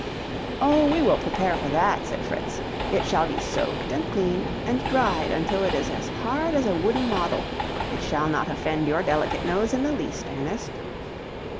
"Oh, we will prepare for that," said Fritz; "it shall be soaked and cleaned, and dried until it is as hard as a wooden model; it shall not offend your delicate nose in the least, Ernest!"